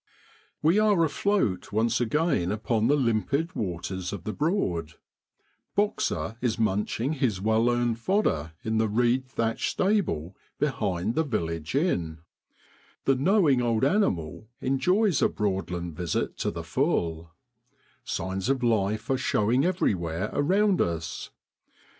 We are afloat once again upon the limpid waters of the Broad. Boxer is munching his well earned fodder in the reed thatched stable behind the village Fi om Photo ly] A DRAINAGE MILL. [Mr. Payne Jennings. inn: the knowing old animal enjoys a Broadland visit to the full. Signs of life are showing everywhere around us.